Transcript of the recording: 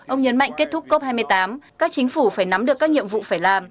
ông nhấn mạnh kết thúc cop hai mươi tám các chính phủ phải nắm được các nhiệm vụ phải làm